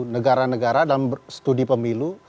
negara negara dalam studi pemilu